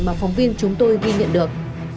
mà phóng viên chúng tôi ghi nhận được